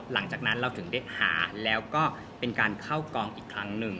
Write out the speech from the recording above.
หลังจากนั้นเราถึงได้หาแล้วก็เป็นการเข้ากองอีกครั้งหนึ่ง